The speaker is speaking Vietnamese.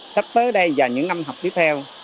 sắp tới đây và những năm học tiếp theo